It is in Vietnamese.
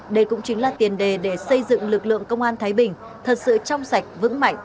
đây cũng chính là tiền đề để xây dựng lực lượng công an thái bình thật sự trong sạch vững mạnh